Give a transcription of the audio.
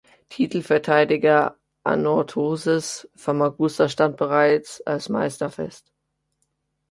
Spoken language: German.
Titelverteidiger Anorthosis Famagusta stand bereits als Meister fest.